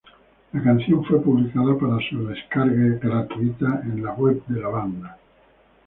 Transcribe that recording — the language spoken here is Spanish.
La canción fue publicada para su descarga gratuita en web de la banda.